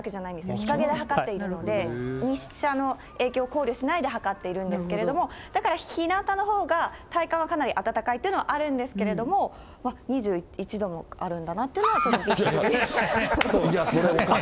日陰で測っているので、日射の影響を考慮しないで測っているんですけれども、だから、ひなたのほうが体感はかなり暖かいっていうのはあるんですけれども、２１度もあるんだなっていうのが、びっくりです。